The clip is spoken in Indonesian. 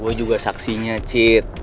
gue juga saksinya cid